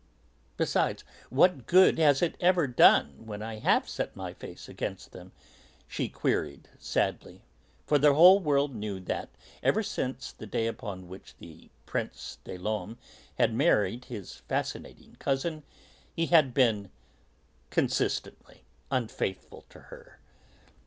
Besides, what good has it ever done when I have set my face against them?" she queried sadly, for the whole world knew that, ever since the day upon which the Prince des Laumes had married his fascinating cousin, he had been consistently unfaithful to her.